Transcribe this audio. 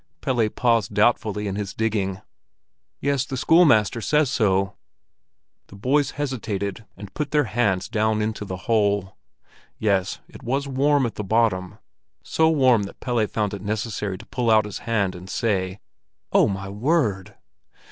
Pelle paused doubtfully in his digging. "Yes, the schoolmaster says so." The boys hesitated and put their hands down into the hole. Yes, it was warm at the bottom—so warm that Pelle found it necessary to pull out his hand and say: "Oh, my word!"